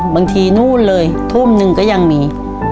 บางทีนู่นเลยทุ่มนึงก็ยังมี